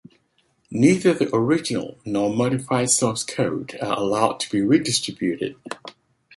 Neither the original nor modified source code are allowed to be redistributed.